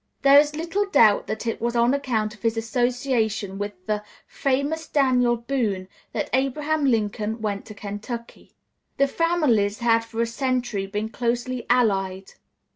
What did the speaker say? There is little doubt that it was on account of his association with the, famous Daniel Boone that Abraham Lincoln went to Kentucky. The families had for a century been closely allied.